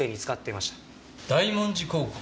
大文字高校。